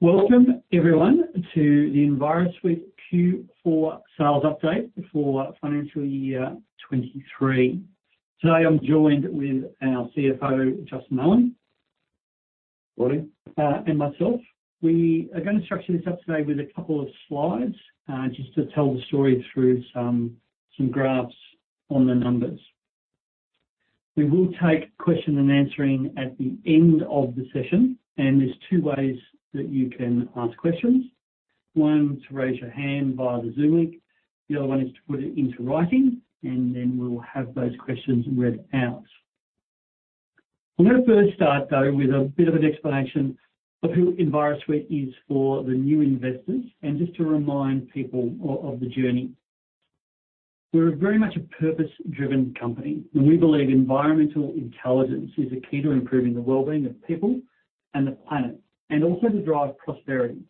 Welcome everyone to the Envirosuite Q4 sales update for financial year 23. Today, I'm joined with our CFO, Justin Owen. Good morning. Myself. We are gonna structure this up today with a couple of slides, just to tell the story through some graphs on the numbers. We will take question and answering at the end of the session. There's two ways that you can ask questions. One, to raise your hand via the Zoom link. The other one is to put it into writing, then we'll have those questions read out. I'm going to first start, though, with a bit of an explanation of who Envirosuite is for the new investors, just to remind people of the journey. We're very much a purpose-driven company. We believe environmental intelligence is the key to improving the well-being of people and the planet, also to drive prosperity.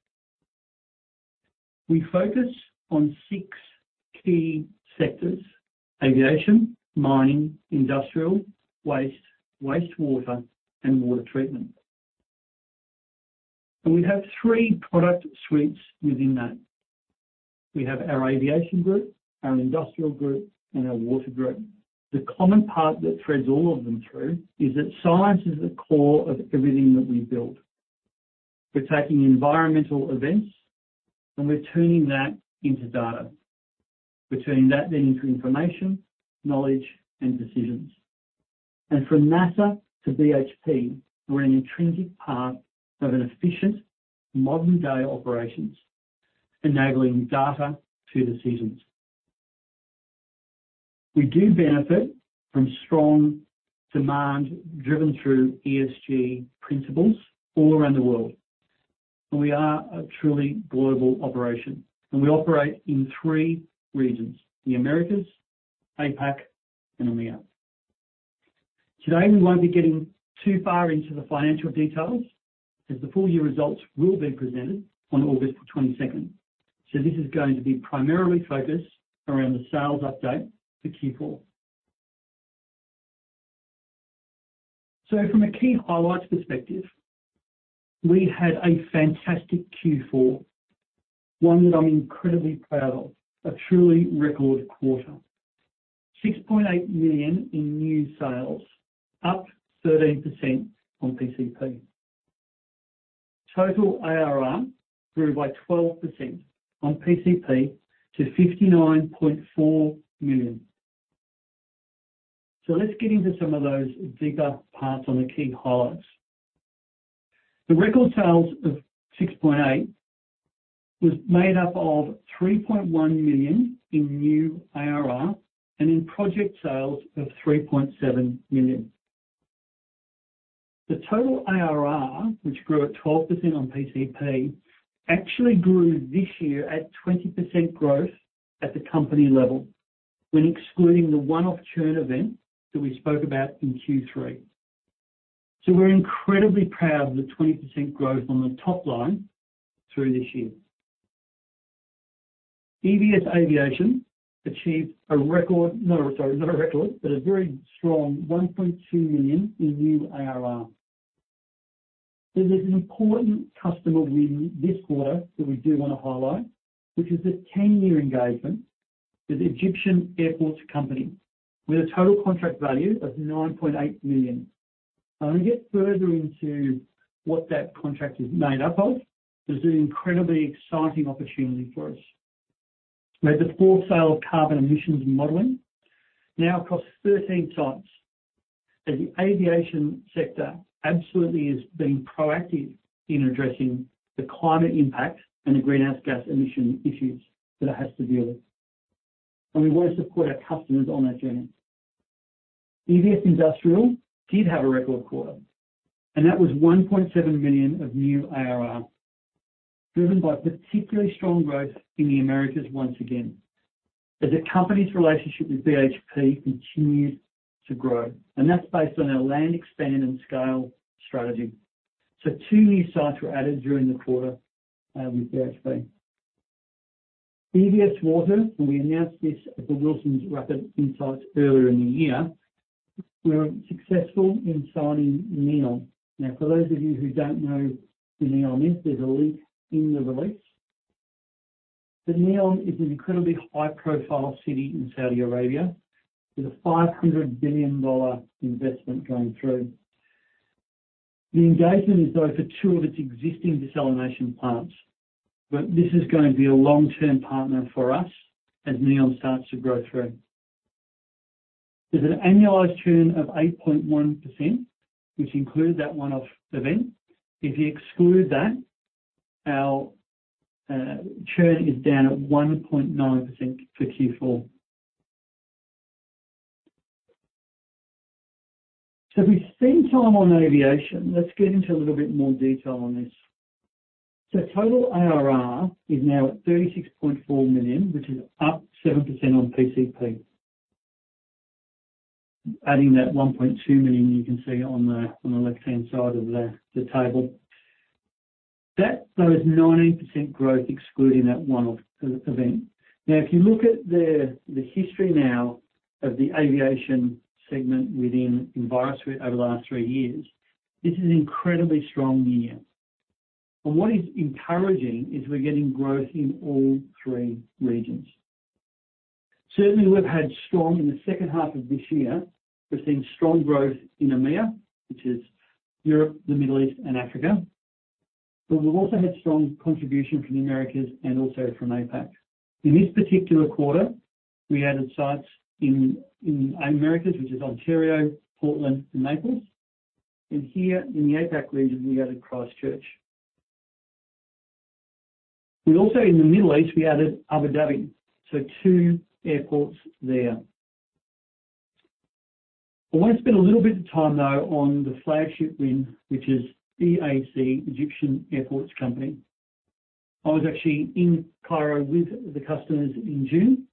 We focus on six key sectors: aviation, mining, industrial, waste, wastewater, and water treatment. We have three product suites within that. We have our Aviation group, our Industrial group, and our Water group. The common part that threads all of them through is that science is the core of everything that we build. We're taking environmental events, and we're turning that into data. We're turning that then into information, knowledge, and decisions. From NASA to BHP, we're an intrinsic part of an efficient modern-day operations, enabling data to decisions. We do benefit from strong demand driven through ESG principles all around the world, and we are a truly global operation, and we operate in three regions: the Americas, APAC, and EMEA. Today, we won't be getting too far into the financial details, as the full year results will be presented on August 22nd. This is going to be primarily focused around the sales update for Q4. From a key highlights perspective, we had a fantastic Q4, one that I'm incredibly proud of, a truly record quarter. 6.8 million (Australian Dollar) in new sales, up 13% on PCP. Total ARR grew by 12% on PCP to 59.4 million (Australian Dollar). Let's get into some of those deeper parts on the key highlights. The record sales of 6.8 was made up of 3.1 million (Australian Dollar) in new ARR and in project sales of 3.7 million (Australian Dollar). The total ARR, which grew at 12% on PCP, actually grew this year at 20% growth at the company level, when excluding the one-off churn event that we spoke about in Q3. We're incredibly proud of the 20% growth on the top line through this year. EVS Aviation achieved a very strong 1.2 million (Australian Dollar) in new ARR. There's an important customer win this quarter that we do want to highlight, which is this 10-year engagement with Egyptian Airports Company, with a total contract value of 9.8 million (Australian Dollar). As we get further into what that contract is made up of, this is an incredibly exciting opportunity for us. We had the full sale of carbon emissions modeling now across 13 sites, as the aviation sector absolutely has been proactive in addressing the climate impact and the greenhouse gas emission issues that it has to deal with. We want to support our customers on that journey. EVS Industrial did have a record quarter. That was 1.7 million (Australian Dollar) of new ARR, driven by particularly strong growth in the Americas once again, as the company's relationship with BHP continues to grow, and that's based on our land, expand, and scale strategy. Two new sites were added during the quarter with BHP. EVS Water, we announced this at the Wilsons Rapid Insights earlier in the year, we were successful in signing NEOM. For those of you who don't know what NEOM is, there's a link in the release. NEOM is an incredibly high-profile city in Saudi Arabia, with a $500 billion investment going through. The engagement is though for two of its existing desalination plants. This is going to be a long-term partner for us as NEOM starts to grow through. There's an annualized churn of 8.1%, which included that one-off event. If you exclude that, our churn is down at 1.9% for Q4. We've spent time on aviation. Let's get into a little bit more detail on this. Total ARR is now at 36.4 million (Australian Dollar), which is up 7% on PCP. Adding that 1.2 million you can see on the left-hand side of the table. That, there is 19% growth excluding that one-off event. If you look at the history of the Aviation segment within Envirosuite over the last three years. This is an incredibly strong year. What is encouraging is we're getting growth in all three regions. Certainly, we've had strong in the H2 of this year, we've seen strong growth in EMEA, which is Europe, the Middle East, and Africa, but we've also had strong contribution from the Americas and also from APAC. In this particular quarter, we added sites in Americas, which is Ontario, Portland, and Naples. Here in the APAC region, we added Christchurch. We also, in the Middle East, we added Abu Dhabi, so two airports there. I want to spend a little bit of time, though, on the flagship win, which is EAC, Egyptian Airports Company. I was actually in Cairo with the customers in June,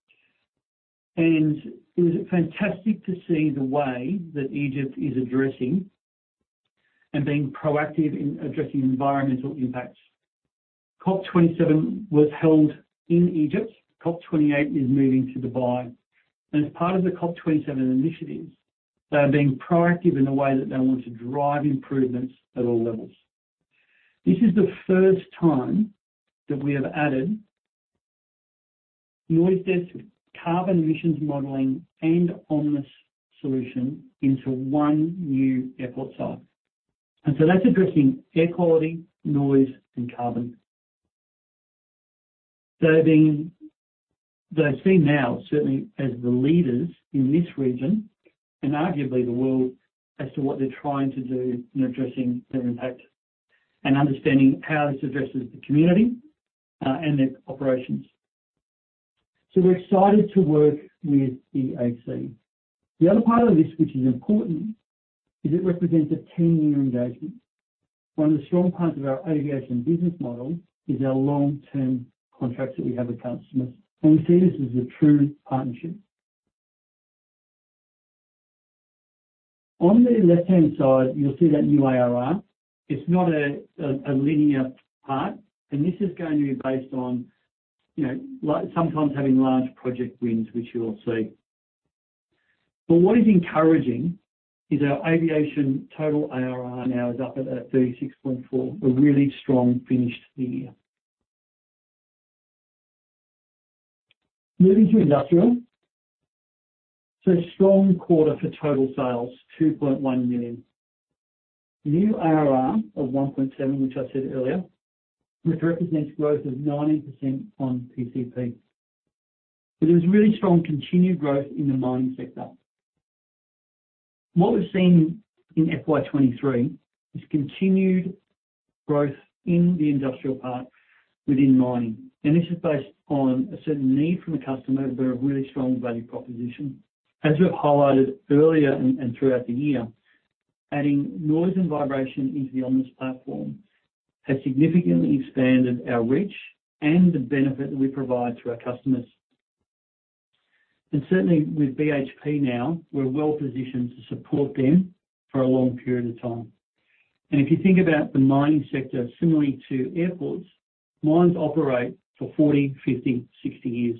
and it was fantastic to see the way that Egypt is addressing and being proactive in addressing environmental impacts. COP27 was held in Egypt. COP28 is moving to Dubai. As part of the COP27 initiatives, they are being proactive in the way that they want to drive improvements at all levels. This is the first time that we have added noise, dust, carbon emissions modeling, and Omnis solution into one new airport site. That's addressing air quality, noise, and carbon. They are seen now, certainly as the leaders in this region, and arguably the world, as to what they're trying to do in addressing their impact and understanding how this addresses the community and their operations. We're excited to work with EAC. The other part of this, which is important, is it represents a 10-year engagement. One of the strong parts of our Aviation business model is our long-term contracts that we have with customers, and we see this as a true partnership. On the left-hand side, you'll see that new ARR. It's not a linear part. This is going to be based on, you know, like sometimes having large project wins, which you will see. What is encouraging is our aviation total ARR now is up at 36.4. A really strong finish to the year. Moving to Industrial. A strong quarter for total sales, 2.1 million (Australian Dollar). New ARR of 1.7, which I said earlier, which represents growth of 19% on PCP. There's really strong continued growth in the mining sector. What we've seen in FY 2023 is continued growth in the Industrial part within mining, and this is based on a certain need from the customer, but a really strong value proposition. As we have highlighted earlier and throughout the year, adding noise and vibration into the Omnis platform has significantly expanded our reach and the benefit that we provide to our customers. Certainly, with BHP now, we're well positioned to support them for a long period of time. If you think about the mining sector similarly to airports, mines operate for 40, 50, 60 years.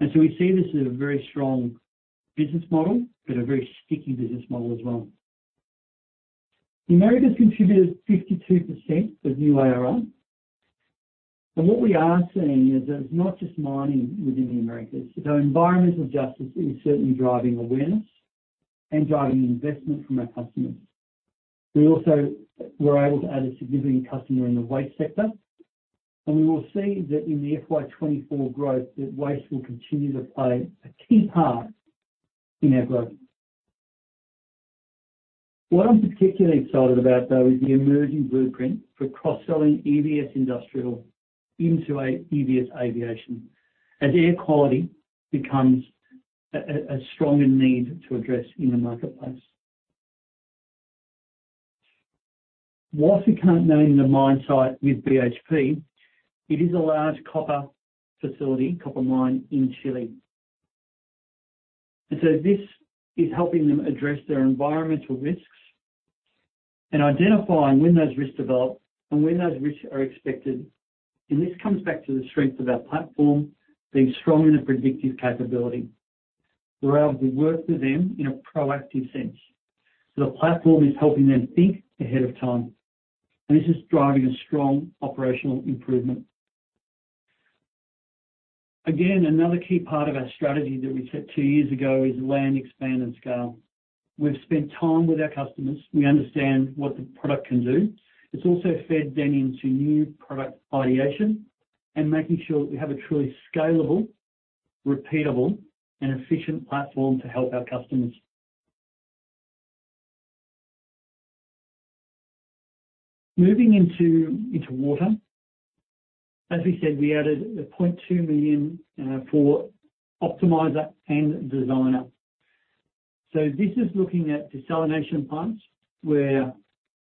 We see this as a very strong business model, but a very sticky business model as well. The Americas contributed 52% of new ARR. What we are seeing is that it's not just mining within the Americas. Environmental justice is certainly driving awareness and driving investment from our customers. We also were able to add a significant customer in the waste sector. We will see that in the FY 2024 growth, that waste will continue to play a key part in our growth. What I'm particularly excited about, though, is the emerging blueprint for cross-selling EVS Industrial into a EVS Aviation, as air quality becomes a stronger need to address in the marketplace. Whilst we can't name the mine site with BHP, it is a large copper facility, copper mine in Chile. This is helping them address their environmental risks and identifying when those risks develop and when those risks are expected. This comes back to the strength of our platform, being strong in a predictive capability. We're able to work with them in a proactive sense. The platform is helping them think ahead of time, and this is driving a strong operational improvement. Again, another key part of our strategy that we set two years ago is land, expand and scale. We've spent time with our customers. We understand what the product can do. It's also fed then into new product ideation and making sure that we have a truly scalable, repeatable, and efficient platform to help our customers. Moving into water. As we said, we added 0.2 million (Australian Dollar) for Plant Optimiser and Plant Designer. This is looking at desalination plants, where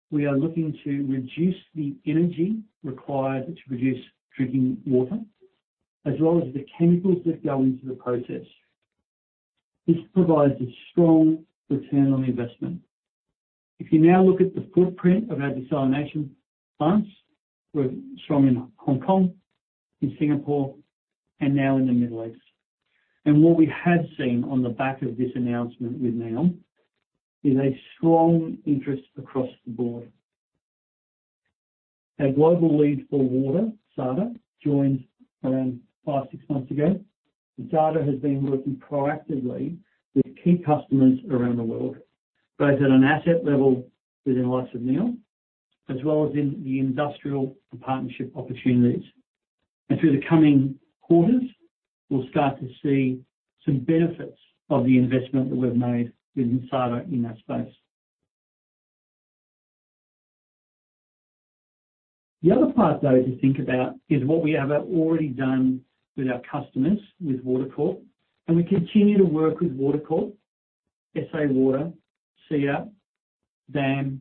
we are looking to reduce the energy required to produce drinking water, as well as the chemicals that go into the process. This provides a strong ROI. If you now look at the footprint of our desalination plants, we're strong in Hong Kong, in Singapore, and now in the Middle East. What we have seen on the back of this announcement with NEOM, is a strong interest across the board. Our Global Lead for Water, Sada, joined around five, six months ago, and Sada has been working proactively with key customers around the world, both at an asset level with the likes of NEOM, as well as in the Industrial partnership opportunities. Through the coming quarters, we'll start to see some benefits of the investment that we've made with Sada in that space. The other part, though, to think about is what we have already done with our customers, with Water Corp. We continue to work with Water Corp, SA Water, SIAAP, DAM,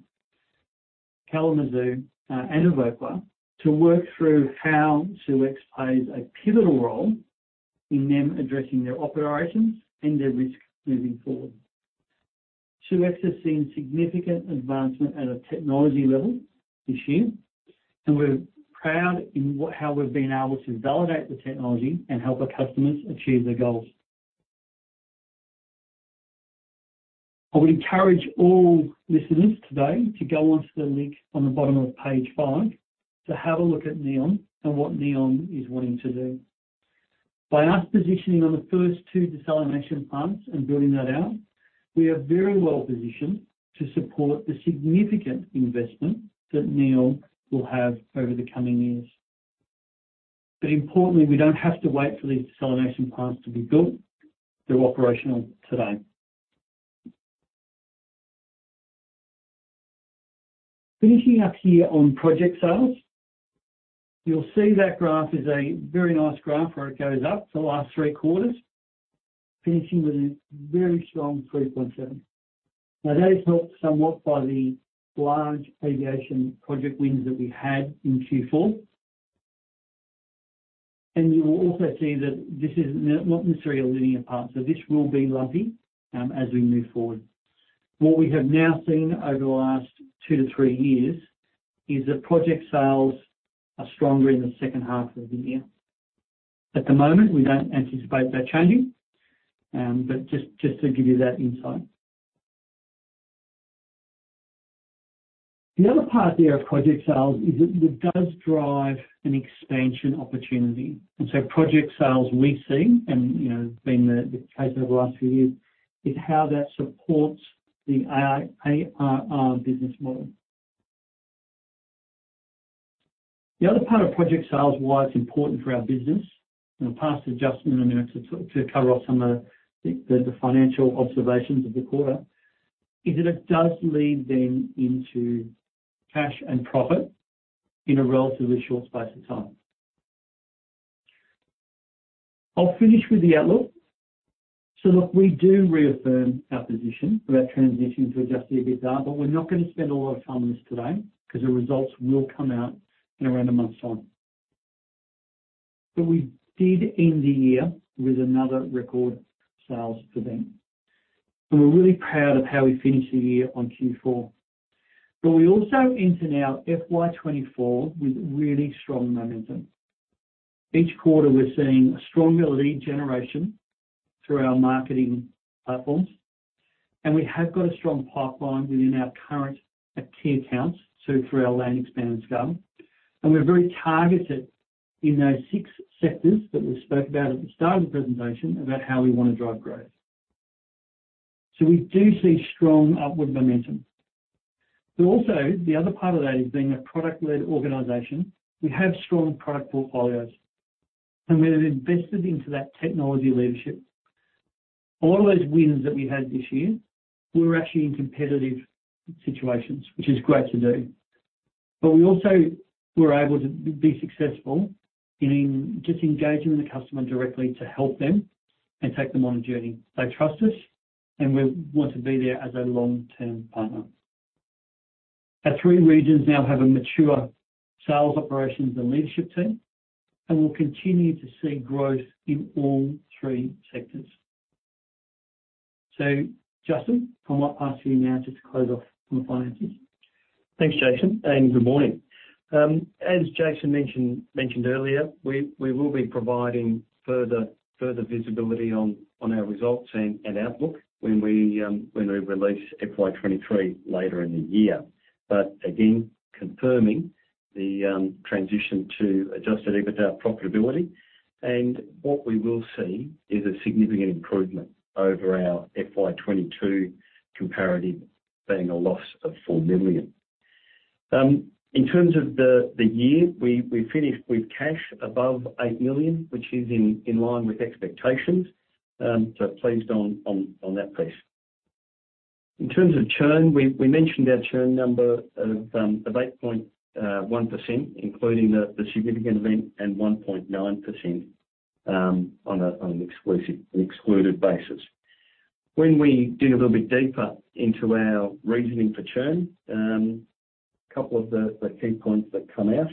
Kalamazoo, and Evoqua, to work through how SeweX plays a pivotal role in them addressing their operations and their risk moving forward. SeweX has seen significant advancement at a technology level this year, and we're proud in how we've been able to validate the technology and help our customers achieve their goals. I would encourage all listeners today to go onto the link on the bottom of page five, to have a look at NEOM and what NEOM is wanting to do. By us positioning on the first two desalination plants and building that out, we are very well positioned to support the significant investment that NEOM will have over the coming years. Importantly, we don't have to wait for these desalination plants to be built, they're operational today. Finishing up here on project sales. You'll see that graph is a very nice graph, where it goes up for the last three quarters, finishing with a very strong 3.7. That is helped somewhat by the large aviation project wins that we had in Q4. You will also see that this is not necessarily a linear path, so this will be lumpy as we move forward. What we have now seen over the last two to three years, is that project sales are stronger in the H2 of the year. At the moment, we don't anticipate that changing, but just to give you that insight. The other part here of project sales is that it does drive an expansion opportunity. Project sales we see, and, you know, been the case over the last few years, is how that supports the ARR business model. The other part of project sales, why it's important for our business, and I'll pass to Justin in a minute to cover off some of the financial observations of the quarter, is that it does lead then into cash and profit in a relatively short space of time. I'll finish with the outlook. Look, we do reaffirm our position about transitioning to adjusted EBITDA, but we're not going to spend a lot of time on this today, because the results will come out in around a month's time. We did end the year with another record sales for them, and we're really proud of how we finished the year on Q4. We also entered our FY 2024 with really strong momentum. Each quarter, we're seeing a stronger lead generation through our marketing platforms, and we have got a strong pipeline within our current key accounts, so through our land, expand and scale. We're very targeted in those six sectors that we spoke about at the start of the presentation, about how we want to drive growth. We do see strong upward momentum. Also, the other part of that is being a product-led organization, we have strong product portfolios, and we have invested into that technology leadership. A lot of those wins that we had this year, we were actually in competitive situations, which is great to do. We also were able to be successful in just engaging with the customer directly to help them and take them on a journey. They trust us, and we want to be there as a long-term partner. Our three regions now have a mature sales operations and leadership team, and we'll continue to see growth in all three sectors. Justin, I'll pass to you now just to close off on the finances. Thanks, Jason, good morning. As Jason mentioned earlier, we will be providing further visibility on our results and outlook when we release FY 2023 later in the year. Again, confirming the transition to adjusted EBITDA profitability, and what we will see is a significant improvement over our FY 2022 comparative, being a loss of 4 million (Australian Dollar). In terms of the year, we finished with cash above 8 million (Australian Dollar), which is in line with expectations, pleased on that piece. In terms of churn, we mentioned our churn number of 8.1%, including the significant event, and 1.9% on an excluded basis. When we dig a little bit deeper into our reasoning for churn. Couple of the key points that come out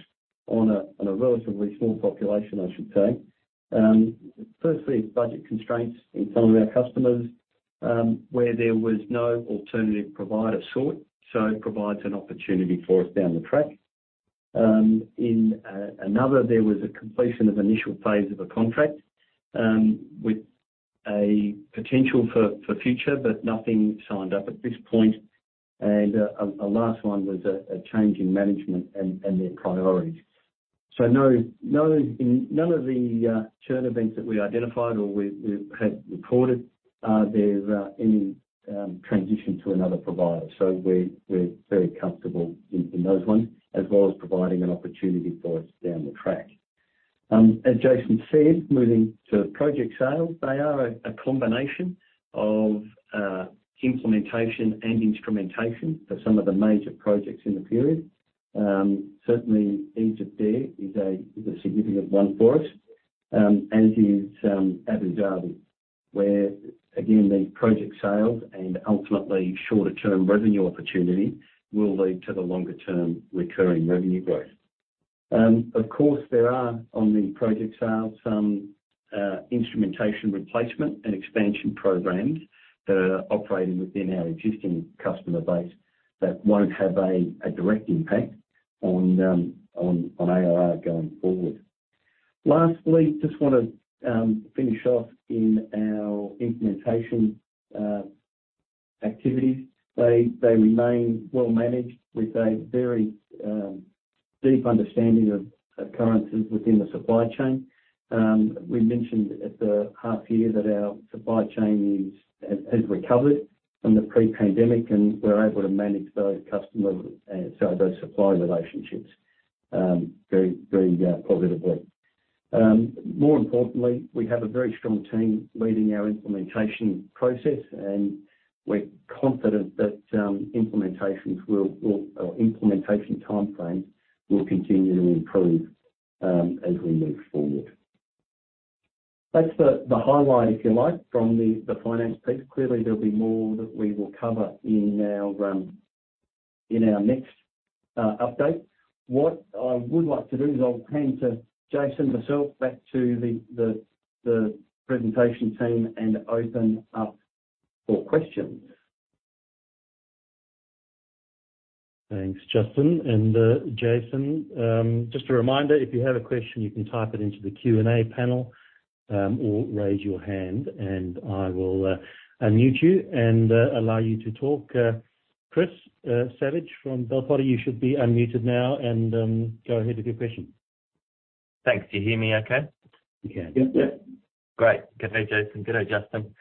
on a relatively small population, I should say. Firstly, budget constraints in some of our customers, where there was no alternative provider sought, so it provides an opportunity for us down the track. In another, there was a completion of initial phase of a contract, with a potential for future, but nothing signed up at this point. A last one was a change in management and their priorities. No, in none of the churn events that we identified or we have reported, are there any transition to another provider. We're very comfortable in those ones, as well as providing an opportunity for us down the track. As Jason said, moving to project sales, they are a combination of implementation and instrumentation for some of the major projects in the period. Certainly, Egypt there is a significant one for us, as is Abu Dhabi, where again, the project sales and ultimately shorter-term revenue opportunity will lead to the longer-term recurring revenue growth. Of course, there are, on the project sales, some instrumentation replacement and expansion programs that are operating within our existing customer base that won't have a direct impact on ARR going forward. Lastly, just want to finish off in our implementation activities. They remain well managed with a very deep understanding of occurrences within the supply chain. We mentioned at the half year that our supply chain has recovered from the pre-pandemic, and we're able to manage those customer, sorry, those supplier relationships very positively. More importantly, we have a very strong team leading our implementation process, and we're confident that implementations will, or implementation timeframes will continue to improve as we move forward. That's the highlight, if you like, from the finance piece. Clearly, there'll be more that we will cover in our in our next update. What I would like to do is I'll hand to Jason myself back to the presentation team and open up for questions. Thanks, Justin and Jason. Just a reminder, if you have a question, you can type it into the Q&A panel, or raise your hand, and I will unmute you and allow you to talk. Chris Savage from Bell Potter, you should be unmuted now and go ahead with your question. Thanks. Do you hear me okay? We can. Yes, sir. Great. Good day, Jason. Good day, Justin.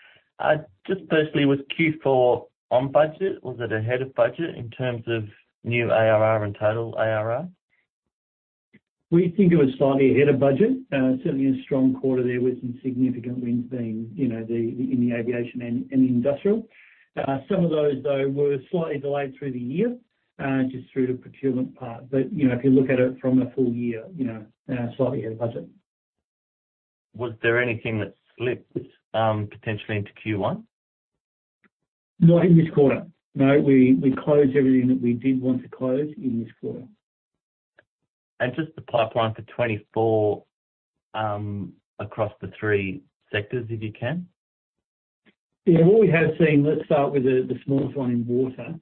Just firstly, was Q4 on budget, or was it ahead of budget in terms of new ARR and total ARR? We think it was slightly ahead of budget. Certainly a strong quarter there, with some significant wins being, you know, the, in the Aviation and the Industrial. Some of those, though, were slightly delayed through the year, just through the procurement part. You know, if you look at it from a full year, you know, slightly ahead of budget. Was there anything that slipped, potentially into Q1? Not in this quarter. No, we closed everything that we did want to close in this quarter. Just the pipeline for 2024, across the three sectors, if you can? Yeah, what we have seen, let's start with the smallest one in water.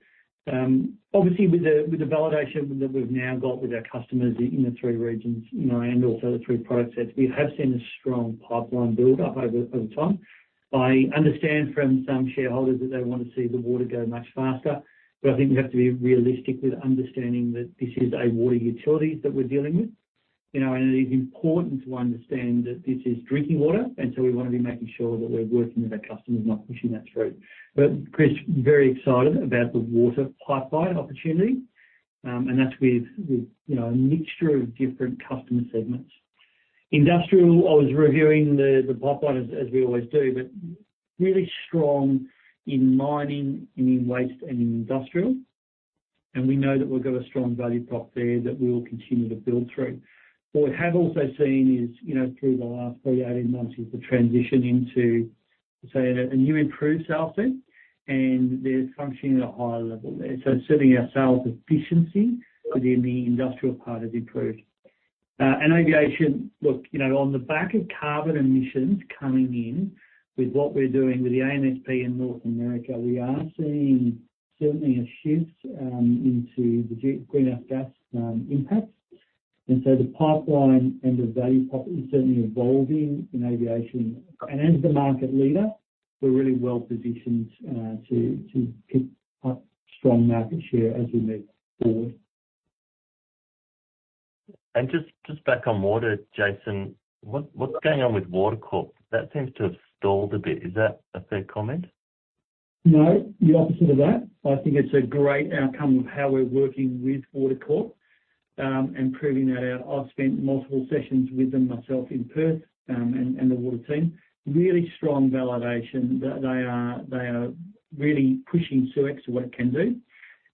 Obviously, with the, with the validation that we've now got with our customers in the three regions, you know, and also the three product sets, we have seen a strong pipeline build up over time. I understand from some shareholders that they want to see the water go much faster, but I think we have to be realistic with understanding that this is a water utility that we're dealing with, you know, and it is important to understand that this is drinking water, and so we want to be making sure that we're working with our customers, not pushing that through. Chris, very excited about the water pipeline opportunity, and that's with, you know, a mixture of different customer segments. Industrial, I was reviewing the pipeline as we always do, really strong in mining, and in waste, and in industrial. We know that we've got a strong value prop there that we will continue to build through. What we have also seen is, you know, through the last three to 18 months, is the transition into, say, a new improved sales team, they're functioning at a higher level there. Certainly our sales efficiency within the Industrial part has improved. Aviation, look, you know, on the back of carbon emissions coming in with what we're doing with the ANSP in North America, we are seeing certainly a shift into the greenhouse gas impacts. The pipeline and the value prop is certainly evolving in aviation. As the market leader, we're really well positioned to pick up strong market share as we move forward. Just back on water, Jason, what's going on with Water Corp? That seems to have stalled a bit. Is that a fair comment? No, the opposite of that. I think it's a great outcome of how we're working with Water Corp, and proving that I've spent multiple sessions with them myself in Perth, and the water team. Really strong validation that they are really pushing SeweX to what it can do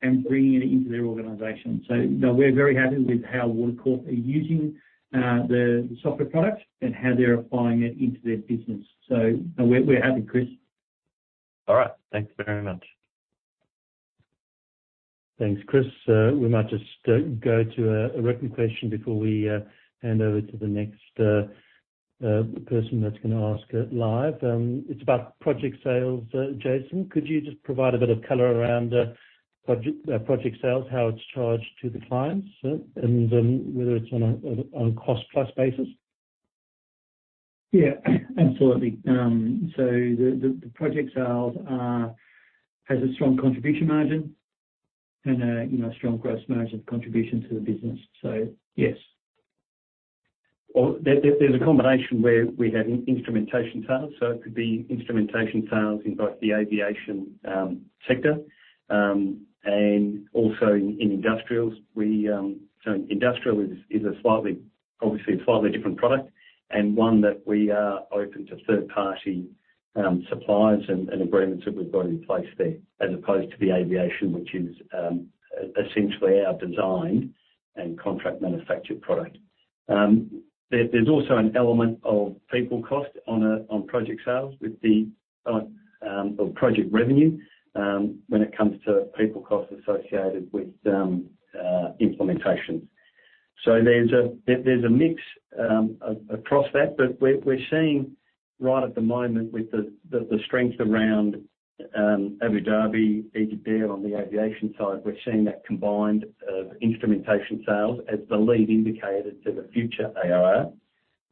and bringing it into their organization. No, we're very happy with how Water Corp are using the software product and how they're applying it into their business. We're happy, Chris. All right. Thank you very much. Thanks, Chris. We might just go to a written question before we hand over to the next person that's gonna ask it live. It's about project sales. Jason, could you just provide a bit of color around project sales, how it's charged to the clients, and then whether it's on a cost-plus basis? Yeah, absolutely. The project sales has a strong contribution margin and a, you know, strong gross margin contribution to the business. Yes. There's a combination where we have in-instrumentation sales, so it could be instrumentation sales in both the Aviation sector and also in Industrials. Industrial is a slightly, obviously a slightly different product and one that we are open to third-party suppliers and agreements that we've got in place there, as opposed to the aviation, which is essentially our design and contract manufactured product. There's also an element of people cost on project sales with the or project revenue when it comes to people costs associated with implementation. There's a mix across that, but we're seeing right at the moment with the strength around Abu Dhabi, Egypt Air on the Aviation side, we're seeing that combined instrumentation sales as the lead indicator to the future ARR.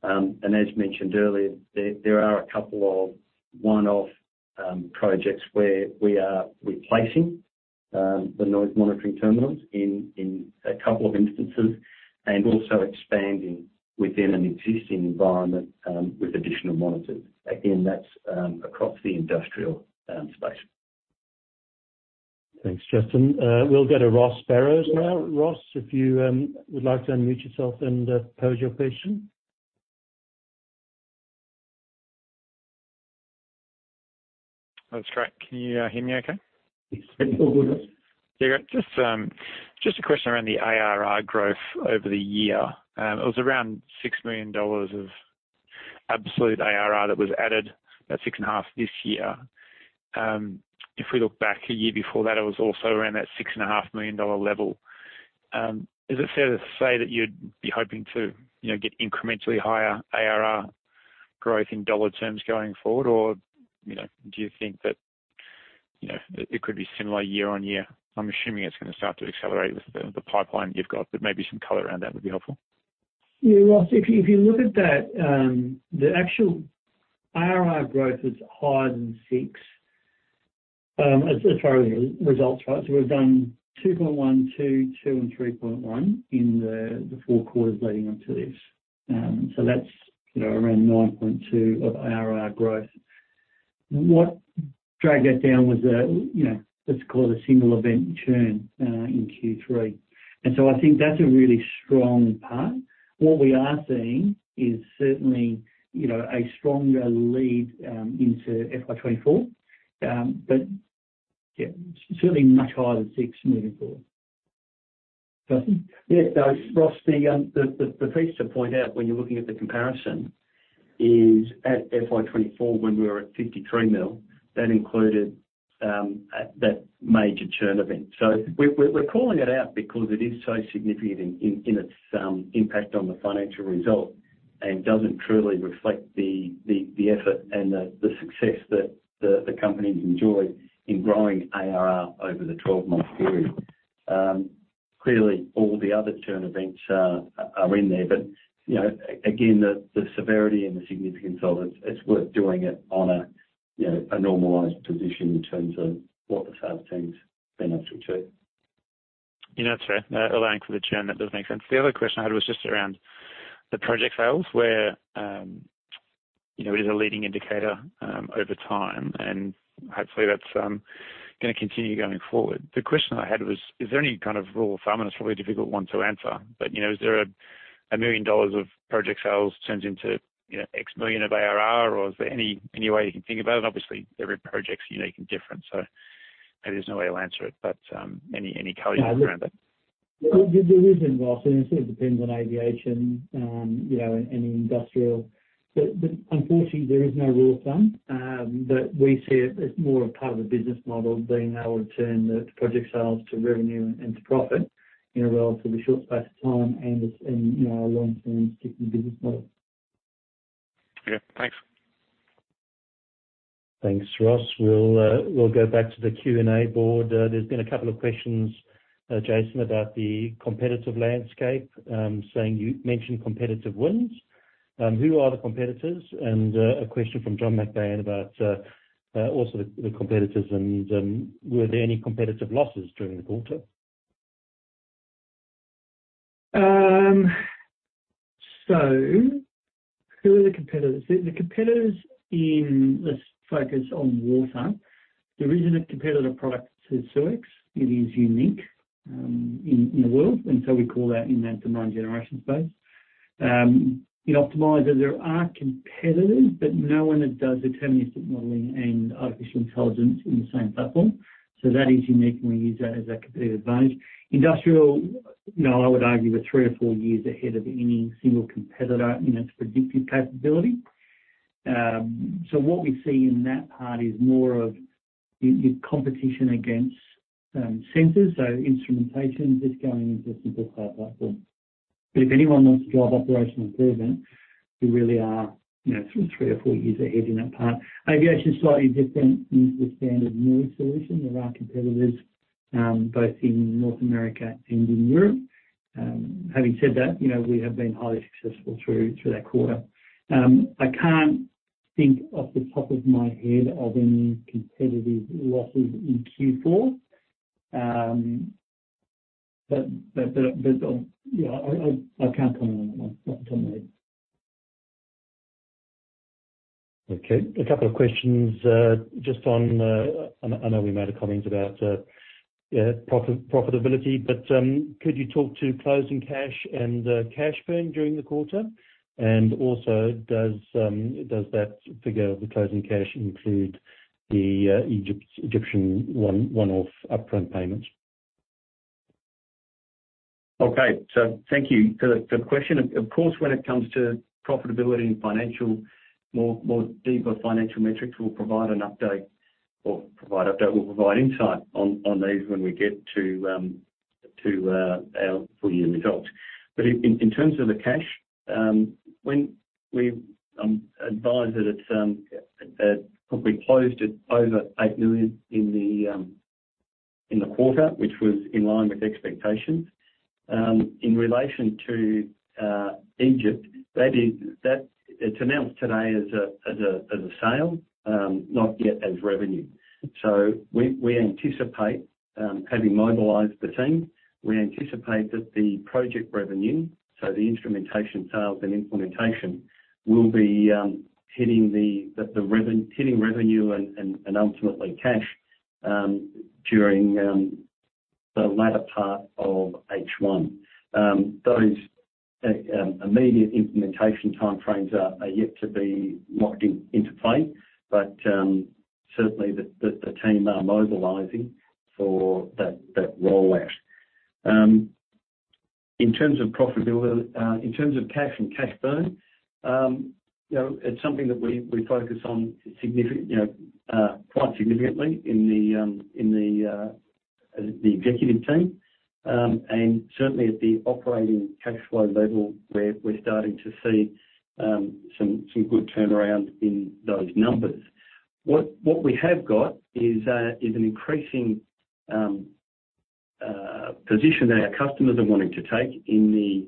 As mentioned earlier, there are a couple of one-off projects where we are replacing the Noise Monitoring Terminals in a couple of instances, and also expanding within an existing environment with additional monitors. That's across the Industrial space. Thanks, Justin. We'll go to Ross Barrows now. Ross, if you would like to unmute yourself and pose your question. That's great. Can you hear me okay? Yes, all good. There you go. Just, just a question around the ARR growth over the year. It was around 6 million (Australian Dollar) of absolute ARR that was added, that 6.5 million (Australian Dollar) this year. If we look back a year before that, it was also around that 6.5 million (Australian Dollar) level. Is it fair to say that you'd be hoping to, you know, get incrementally higher ARR growth in AUD terms going forward? Do you think that, you know, it could be similar year on year? I'm assuming it's gonna start to accelerate with the pipeline you've got, but maybe some color around that would be helpful. Yeah, Ross, if you look at that, the actual ARR growth is higher than 6 as far as the results, right? We've done 2.1, 2, 2, and 3.1 in the four quarters leading up to this. That's, you know, around 9.2 of ARR growth. What dragged that down was a, you know, let's call it a single event churn in Q3. I think that's a really strong part. What we are seeing is certainly, you know, a stronger lead into FY 2024. Yeah, certainly much higher than 6 moving forward. Justin? Yeah, Ross, the thing to point out when you're looking at the comparison is at FY 2024, when we were at 53 million (Australian Dollar), that included that major churn event. We're calling it out because it is so significant in its impact on the financial result and doesn't truly reflect the effort and the success that the company's enjoyed in growing ARR over the 12-month period. Clearly, all the other churn events are in there, but, you know, again, the severity and the significance of it's worth doing it on a, you know, a normalized position in terms of what the sales team's been able to achieve. Yeah, that's right. Allowing for the churn, that does make sense. The other question I had was just around the project sales where, you know, it is a leading indicator, over time, and hopefully, that's gonna continue going forward. The question I had was, is there any kind of rule of thumb, and it's a really difficult one to answer, but, you know, is there a million dollar of project sales turns into, you know, X million of ARR, or is there any way you can think about it? Obviously, every project's unique and different, so maybe there's no way I'll answer it, but, any color you can around that? There is, and Ross, and it sort of depends on Aviation, you know, and Industrial, but unfortunately, there is no rule of thumb, but we see it as more a part of the business model being able to turn the project sales to revenue and to profit in a relatively short space of time and, you know, a long-term sticking business model. Yeah, thanks. Thanks, Ross. We'll go back to the Q&A board. There's been a couple of questions, Jason, about the competitive landscape, saying you mentioned competitive wins. Who are the competitors? A question from John McBain about, also the competitors and, were there any competitive losses during the quarter? Who are the competitors? The competitors in this focus on water, there isn't a competitive product to SeweX. It is unique in the world, and so we call that in the demand generation space. In Optimizer, there are competitors, but no one that does deterministic modelling and artificial intelligence in the same platform. That is unique, and we use that as a competitive advantage. Industrial, you know, I would argue, we're three or four years ahead of any single competitor in its predictive capability. What we see in that part is more of the competition against sensors. Instrumentation is going into a simple cloud platform. If anyone wants to drive operational improvement, we really are, you know, three or four years ahead in that part. Aviation is slightly different, use the standard new solution. There are competitors, both in North America and in Europe. Having said that, you know, we have been highly successful through that quarter. I can't think off the top of my head of any competitive losses in Q4. Yeah, I, I can't comment on that. Okay, a couple of questions. Just on, I know we made a comment about, yeah, profitability, but could you talk to closing cash and cash burn during the quarter? Also, does that figure of the closing cash include the Egyptian one-off upfront payments? Okay. Thank you for the question. Of course, when it comes to profitability and financial, more deeper financial metrics, we'll provide an update. We'll provide insight on these when we get to our full year results. In terms of the cash, when we advise that it's probably closed at over 8 million (Australian Dollar) in the quarter, which was in line with expectations. In relation to Egypt, that is, that it's announced today as a sale, not yet as revenue. We anticipate, having mobilized the team, we anticipate that the project revenue, so the instrumentation sales and implementation, will be hitting revenue and ultimately cash during the latter part of H1. Those, maybe implementation timeframes are yet to be locked into play, but certainly the team are mobilizing for that rollout. In terms of profitability, in terms of cash and cash burn, you know, it's something that we focus on quite significantly in the executive team. And certainly at the operating cash flow level, we're starting to see some good turnaround in those numbers. What we have got is an increasing position that our customers are wanting to take, certainly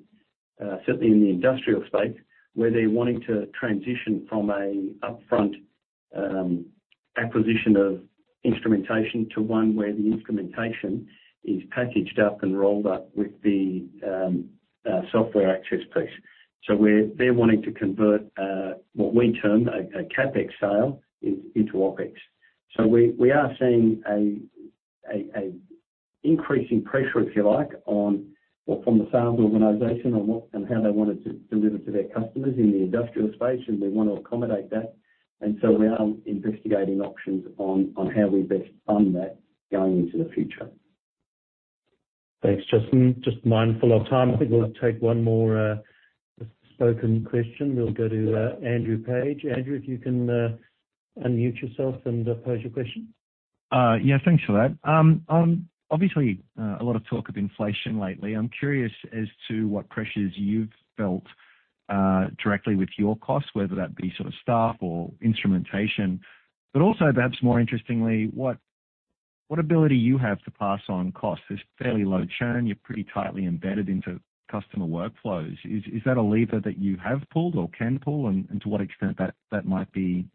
in the Industrial space, where they're wanting to transition from an upfront acquisition of instrumentation to one where the instrumentation is packaged up and rolled up with the software access piece They're wanting to convert what we term a CapEx sale into OpEx. We are seeing an increasing pressure, if you like, on or from the sales organization on what and how they want it to deliver to their customers in the Industrial space, and we want to accommodate that. We are investigating options on how we best fund that going into the future. Thanks, Jason. Just mindful of time. I think we'll take one more spoken question. We'll go to Andrew Page. Andrew, if you can unmute yourself and pose your question. Yeah, thanks for that. Obviously, a lot of talk of inflation lately. I'm curious as to what pressures you've felt directly with your costs, whether that be sort of staff or instrumentation, but also perhaps more interestingly, what ability you have to pass on costs? There's fairly low churn, you're pretty tightly embedded into customer workflows. Is that a lever that you have pulled or can pull, and to what extent that might be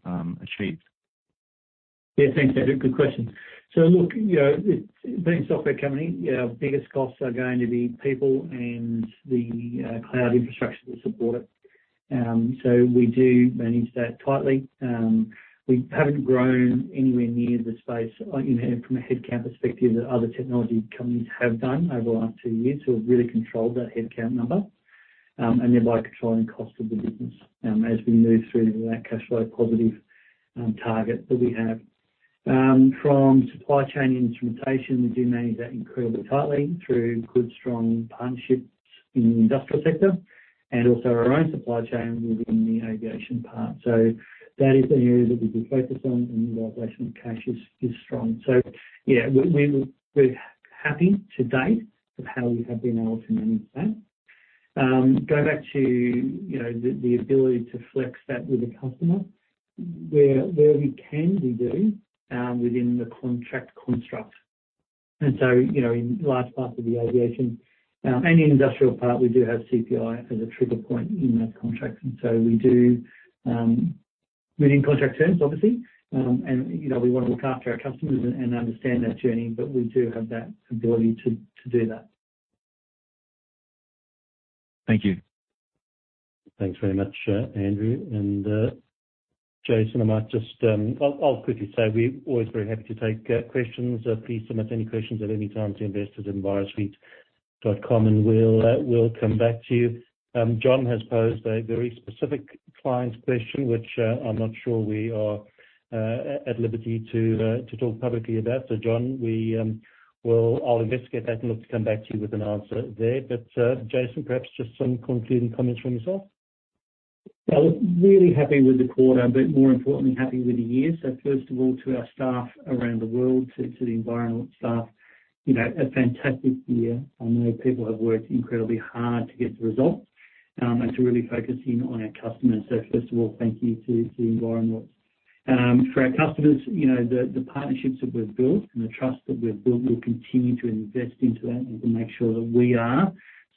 achieved? Yeah, thanks, Andrew. Good question. Look, you know, it being a software company, our biggest costs are going to be people and the cloud infrastructure to support it. We do manage that tightly. We haven't grown anywhere near the space, you know, from a headcount perspective that other technology companies have done over the last two years. We've really controlled our headcount number, and thereby controlling cost of the business, as we move through that cash flow positive target that we have. From supply chain instrumentation, we do manage that incredibly tightly through good, strong partnerships in the Industrial sector and also our own supply chain within the Aviation part. That is an area that we do focus on, and the realization of cash is strong. yeah, we're happy to date with how we have been able to manage that. Going back to, you know, the ability to flex that with the customer, where we can be doing, within the contract construct, you know, in large parts of the Aviation, and in Industrial part, we do have CPI as a trigger point in that contract. We do, within contract terms, obviously, and, you know, we want to look after our customers and understand their journey, but we do have that ability to do that. Thank you. Thanks very much, Andrew. Jason, I might just, I'll quickly say, we're always very happy to take questions. Please submit any questions at any time to investors@envirosuite.com, and we'll come back to you. John has posed a very specific client question, which I'm not sure we are at liberty to talk publicly about. John, I'll investigate that and look to come back to you with an answer there. Jason, perhaps just some concluding comments from yourself. Really happy with the quarter, but more importantly, happy with the year. First of all, to our staff around the world, to the Envirosuite staff, you know, a fantastic year. I know people have worked incredibly hard to get the results and to really focus in on our customers. First of all, thank you to Envirosuite. For our customers, you know, the partnerships that we've built and the trust that we've built, we'll continue to invest into that and to make sure that we are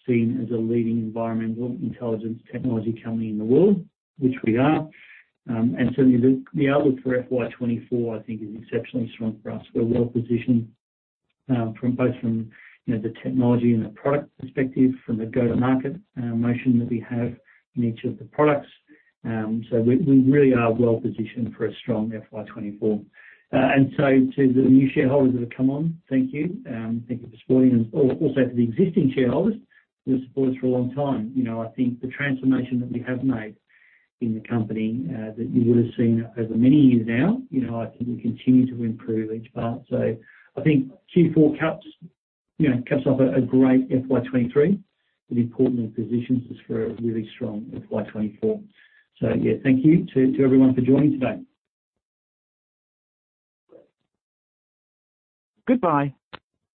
seen as a leading environmental intelligence technology company in the world, which we are. And certainly the outlook for FY 2024, I think, is exceptionally strong for us. We're well positioned, from both from, you know, the technology and the product perspective, from the go-to-market motion that we have in each of the products. We really are well positioned for a strong FY 2024. To the new shareholders that have come on, thank you. Thank you for supporting and also to the existing shareholders who have supported us for a long time. You know, I think the transformation that we have made in the company, that you would have seen over many years now, you know, I think we continue to improve each part. I think Q4 caps, you know, caps off a great FY 2023, but importantly positions us for a really strong FY 2024. Yeah, thank you to everyone for joining today. Goodbye.